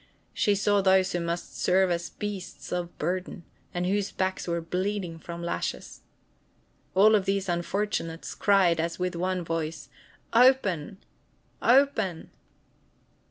She saw those who must serve as beasts of burden, and whose backs were bleeding from lashes. All these unfortunates cried as with one voice: "Open, open!"